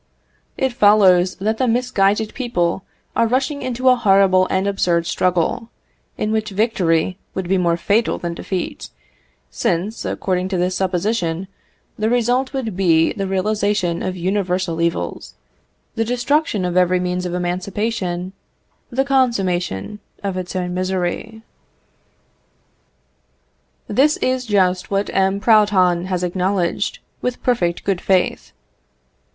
It follows that the misguided people are rushing into a horrible and absurd struggle, in which victory would be more fatal than defeat; since, according to this supposition, the result would be the realisation of universal evils, the destruction of every means of emancipation, the consummation of its own misery. This is just what M. Proudhon has acknowledged, with perfect good faith.